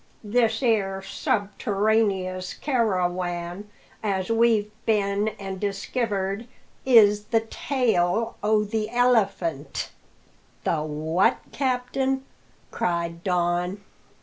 This 'ere subterraneous carawan as we've been an' diskivered is the tail o' the 'Elephant'!" "The what, captain?" cried Don.